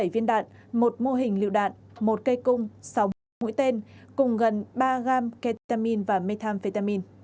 năm mươi bảy viên đạn một mô hình liệu đạn một cây cung sáu mũi tên cùng gần ba gam ketamine và methamphetamine